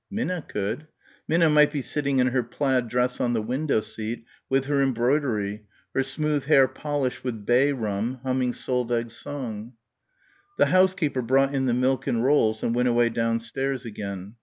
Minna could. Minna might be sitting in her plaid dress on the window seat with her embroidery, her smooth hair polished with bay rum humming Solveig's song. The housekeeper brought in the milk and rolls and went away downstairs again.